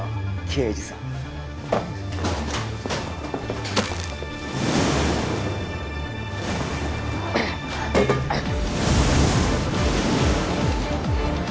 刑事さんあっ！